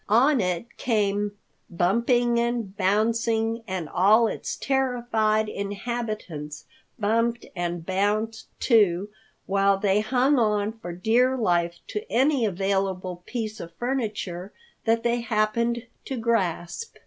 On it came, bumping and bouncing, and all its terrified inhabitants bumped and bounced too, while they hung on for dear life to any available piece of furniture that they had happened to grasp.